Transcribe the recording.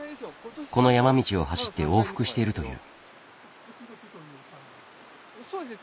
この山道を走って往復しているという。